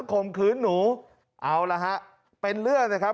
ทำไมคงคืนเขาว่าทำไมคงคืนเขาว่า